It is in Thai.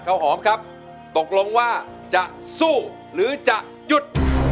หอมครับตกลงว่าจะสู้หรือจะหยุด